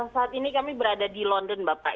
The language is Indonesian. saat ini kami berada di london bapak